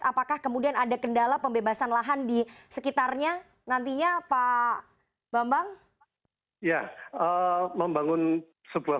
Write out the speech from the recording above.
apakah kemudian ada kendala pembebasan lahan di sekitarnya nantinya pak bambang ya membangun sebuah